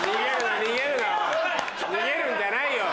逃げるんじゃないよ！